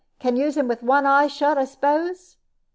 Can use him with one eye shut, I s'pose?"